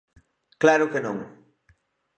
Claro que non.